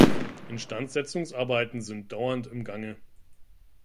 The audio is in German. Instandsetzungsarbeiten sind dauernd im Gange.